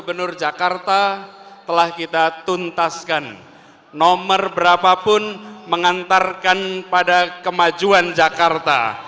disenur jakarta telah kita tuntaskan nomor berapa pun mengantarkan pada kemajuan jakarta